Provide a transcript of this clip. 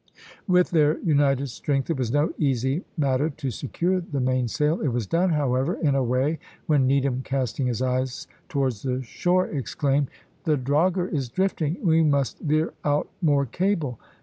With their united strength it was no easy matter to secure the mainsail. It was done, however, in a way, when Needham casting his eyes towards the shore, exclaimed "The drogher is drifting we must veer out more cable!"